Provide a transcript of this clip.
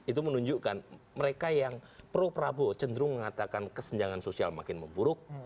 itu menunjukkan mereka yang pro prabowo cenderung mengatakan kesenjangan sosial makin memburuk